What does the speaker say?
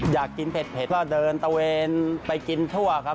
อยากกินเผ็ดก็เดินตะเวนไปกินทั่วครับ